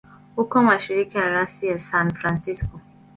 Uko mashariki ya rasi ya San Francisco.